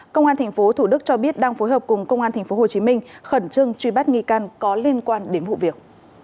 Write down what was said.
công an tp thủ đức cho biết đang phối hợp cùng công an tp hcm khẩn trương truy bắt nghi can có liên quan đến vụ việc